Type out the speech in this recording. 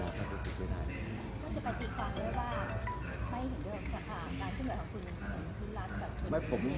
ก็จะปฏิฟังเลยว่าไม่เห็นเรื่องการที่เหลือของคุณคือรักกับ